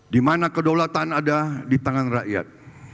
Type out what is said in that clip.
di mana kedaulatan ada di tangan rakyat